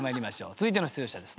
続いての出場者です。